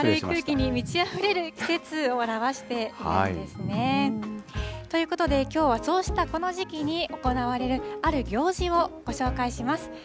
明るい空気に満ちあふれる季節を表しているんですね。ということで、きょうはそうしたこの時期に行われるある行事をご紹介します。